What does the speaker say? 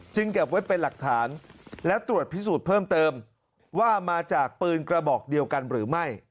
เก็บไว้เป็นหลักฐานและตรวจพิสูจน์เพิ่มเติมว่ามาจากปืนกระบอกเดียวกันหรือไม่